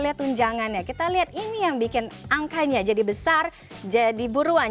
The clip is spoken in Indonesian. ini adalah yang pertama